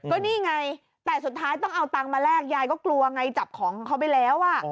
ก็นี่ไงแต่สุดท้ายต้องเอาตังค์มาแลกยายก็กลัวไงจับของเขาไปแล้ว